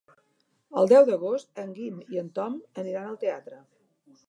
El deu d'agost en Guim i en Tom aniran al teatre.